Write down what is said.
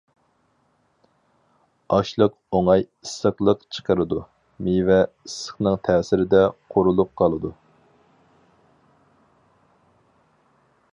ئاشلىق ئوڭاي ئىسسىقلىق چىقىرىدۇ، مېۋە ئىسسىقنىڭ تەسىرىدە قورۇلۇپ قالىدۇ.